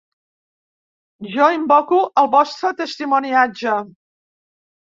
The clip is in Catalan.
Jo invoco el vostre testimoniatge.